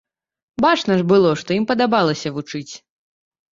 Бачна ж было, што ім падабалася вучыць.